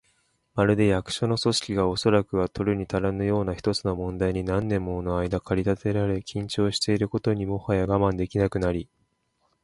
まるで、役所の組織が、おそらくは取るにたらぬような一つの問題に何年ものあいだ駆り立てられ、緊張していることにもはや我慢できなくなり、